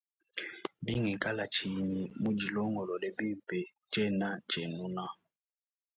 Bingikala tshinyi mudilongolole bimpe, tshena ntshienuna.